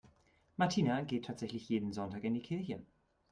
Martina geht tatsächlich jeden Sonntag in die Kirche.